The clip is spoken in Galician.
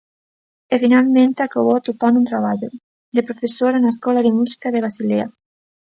E finalmente acabou atopando un traballo, de profesora na escola de música de Basilea.